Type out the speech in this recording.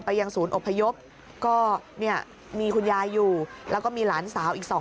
ยังศูนย์อพยพก็เนี่ยมีคุณยายอยู่แล้วก็มีหลานสาวอีกสองคน